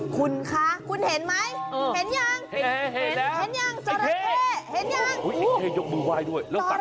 คุณค่ะคุณเห็นไหมเห็นยังจอระเคเห็นยัง